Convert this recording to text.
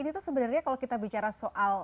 ini tuh sebenarnya kalau kita bicara soal